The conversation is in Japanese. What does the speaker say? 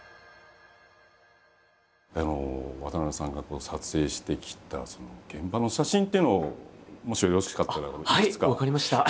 渡部さんが撮影してきた現場の写真っていうのをもしよろしかったら分かりました。